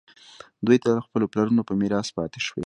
دوی ته له خپلو پلرونو په میراث پاتې شوي.